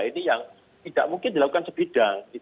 ini yang tidak mungkin dilakukan sebidang